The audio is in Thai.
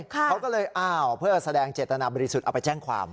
เขาก็เลยอ้าวเพื่อแสดงเจตนาบริสุทธิ์เอาไปแจ้งความ